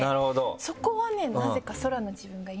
そこはねなぜか。